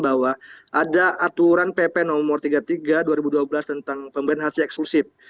bahwa ada aturan pp nomor tiga puluh tiga dua ribu dua belas tentang pemberian hasil eksklusif